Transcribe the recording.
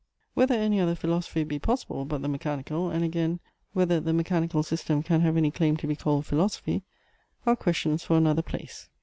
Whether any other philosophy be possible, but the mechanical; and again, whether the mechanical system can have any claim to be called philosophy; are questions for another place.